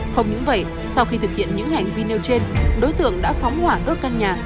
không những vậy sau khi thực hiện những hành vi nêu trên đối tượng đã phóng hỏa đốt căn nhà